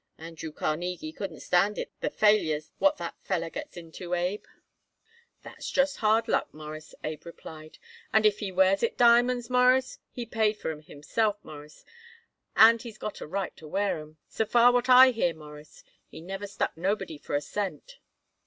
Andrew Carnegie couldn't stand it the failures what that feller gets into, Abe." "That's just hard luck, Mawruss," Abe replied; "and if he wears it diamonds, Mawruss, he paid for 'em himself, Mawruss, and he's got a right to wear 'em. So far what I hear it, Mawruss, he never stuck nobody for a cent."